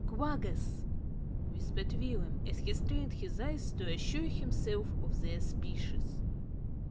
"Quaggas!" whispered Willem, as he strained his eyes to assure himself of their species.